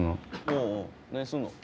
おお。何すんの？